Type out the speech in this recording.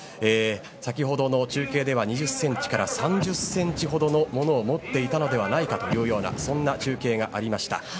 先ほどの中継では２０ｃｍから３０ｃｍほどのものを持っていたのではないかというような中継がありました。